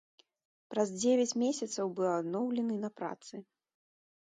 Праз дзевяць месяцаў быў адноўлены на працы.